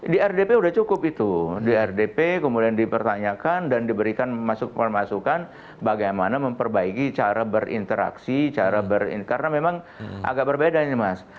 di rdp sudah cukup itu di rdp kemudian dipertanyakan dan diberikan masukan masukan bagaimana memperbaiki cara berinteraksi cara karena memang agak berbeda ini mas